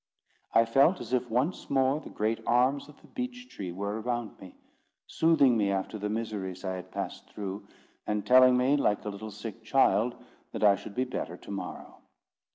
I felt as if once more the great arms of the beech tree were around me, soothing me after the miseries I had passed through, and telling me, like a little sick child, that I should be better to morrow.